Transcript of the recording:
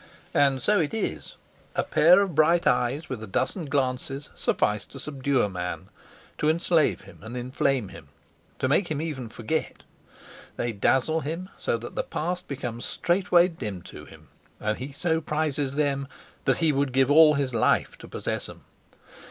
And so it is a pair of bright eyes with a dozen glances suffice to subdue a man; to enslave him, and inflame him; to make him even forget; they dazzle him so that the past becomes straightway dim to him; and he so prizes them that he would give all his life to possess 'em.